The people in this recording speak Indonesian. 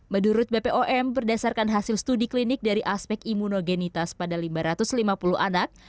menurut bpom berdasarkan hasil studi klinik dari aspek imunogenitas pada lima ratus lima puluh anak